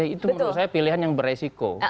itu pilihan yang beresiko